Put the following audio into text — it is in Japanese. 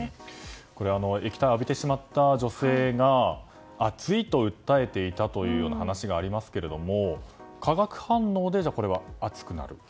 液体を浴びてしまった女性が熱いと訴えていたという話がありますけど化学反応で熱くなる？